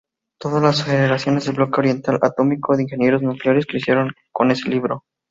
Todas las generaciones del Bloque Oriental Atómico de ingenieros nucleares crecieron con ese libro.